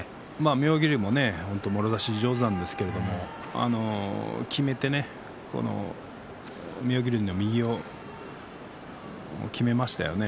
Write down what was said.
妙義龍ももろ差し上手なんですけどきめて妙義龍の右をきめましたよね。